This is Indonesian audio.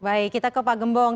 baik kita ke pak gembong